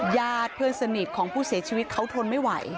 ญาติเพื่อนสนิทของผู้เสียชีวิตเขาทนไม่ไหว